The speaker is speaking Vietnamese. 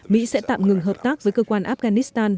mỹ sẽ tạm ngừng hợp tác với cơ quan afghanistan